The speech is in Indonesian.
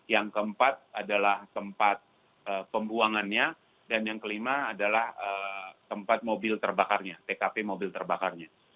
yang keempat adalah tempat pembuangannya dan yang kelima adalah tempat mobil terbakarnya tkp mobil terbakarnya